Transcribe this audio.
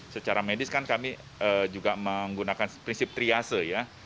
secara medis kan kami juga menggunakan prinsip triase ya